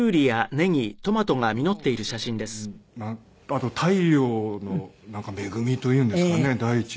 手間をかけた分あと太陽の恵みというんですかね大地の。